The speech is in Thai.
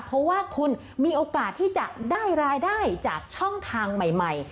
เพราะว่าคุณมีโอกาสที่จะได้รายได้จากช่องทางใหม่